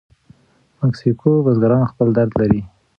مکسیکو بزګران خپل درد لري.